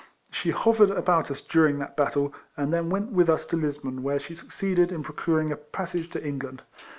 She hovered about us during that battle, and then went with us to Lisbon, where she succeeded in pro curing a passage to England.